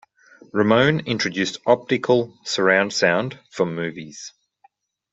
Ramone introduced optical surround sound for movies.